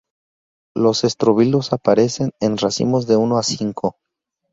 Los estróbilos aparecen en racimos de uno a cinco.